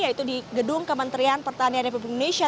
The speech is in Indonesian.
yaitu di gedung kementerian pertanian republik indonesia